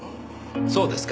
そうですか。